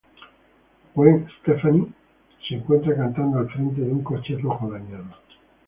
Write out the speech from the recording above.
Gwen Stefani se encuentra cantando al frente de un coche rojo dañado.